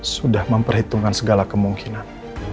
sudah memperhitungkan segala kemungkinan